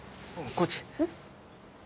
こっち。